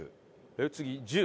次１０？